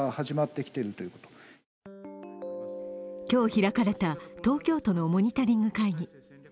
今日開かれた東京都のモニタリング会議。